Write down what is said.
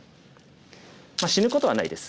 まあ死ぬことはないです。